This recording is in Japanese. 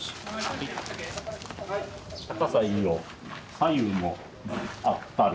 左右も合ったる。